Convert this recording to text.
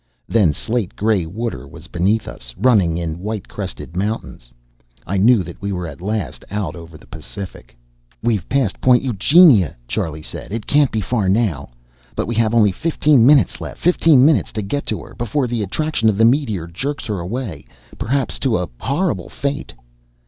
Then slate gray water was beneath us, running in white crested mountains. I knew that we were at last out over the Pacific. "We've passed Point Eugenia," Charlie said. "It can't be far, now. But we have only fifteen minutes left. Fifteen minutes to get to her before the attraction of the meteor jerks her away, perhaps to a horrible fate."